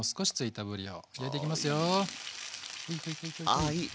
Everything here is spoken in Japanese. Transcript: あいい！